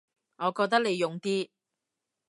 我覺得你勇啲